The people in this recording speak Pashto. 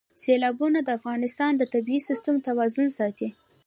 سیلابونه د افغانستان د طبعي سیسټم توازن ساتي.